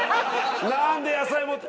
なんで野菜持って。